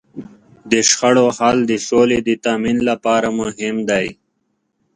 د شخړو حل د سولې د تامین لپاره مهم دی.